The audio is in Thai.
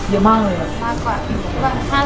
เยอะมากเลย